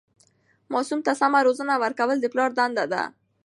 ماسوم ته سمه روزنه ورکول د پلار دنده ده.